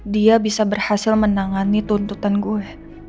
dia bisa berhasil menangani tuntutan gue